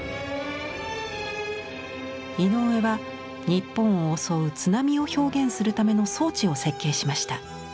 井上は日本を襲う津波を表現するための装置を設計しました。